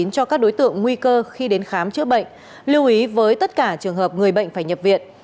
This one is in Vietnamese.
cho các đối tượng nguy cơ khi đến khám chữa bệnh lưu ý với tất cả trường hợp người bệnh phải nhập viện